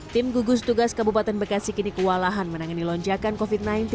tim gugus tugas kabupaten bekasi kini kewalahan menangani lonjakan covid sembilan belas